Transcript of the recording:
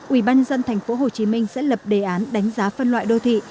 ủy ban nhân dân tp hcm sẽ lập đề án đánh giá phân loại đô thị